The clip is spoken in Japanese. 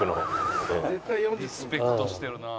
「リスペクトしてるな」